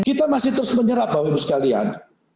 kita masih terus menyerap bapak ibu sekalian